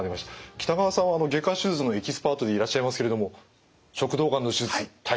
北川さんは外科手術のエキスパートでいらっしゃいますけれども食道がんの手術大変ですか？